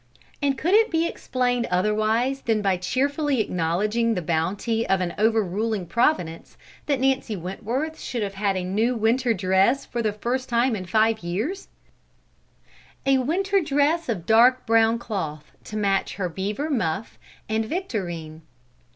And could it be explained otherwise than by cheerfully acknowledging the bounty of an overruling Providence that Nancy Wentworth should have had a new winter dress for the first time in five years a winter dress of dark brown cloth to match her beaver muff and victorine?